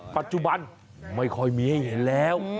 ปัจจุบันไม่ค่อยมีให้เห็นแล้ว